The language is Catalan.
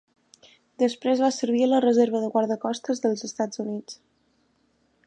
Després va servir a la Reserva de Guardacostes dels Estats Units.